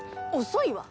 遅いわ。